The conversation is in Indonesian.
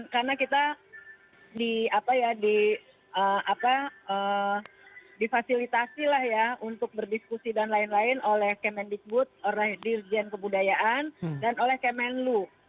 karena kita difasilitasi untuk berdiskusi dan lain lain oleh kemenbikbud dirjen kebudayaan dan oleh kemenlu